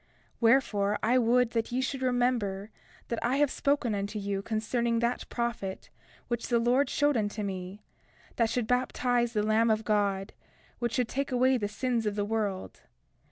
31:4 Wherefore, I would that ye should remember that I have spoken unto you concerning that prophet which the Lord showed unto me, that should baptize the Lamb of God, which should take away the sins of the world.